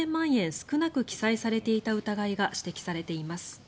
少なく記載されていた疑いが指摘されています。